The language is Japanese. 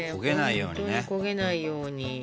本当に焦げないように。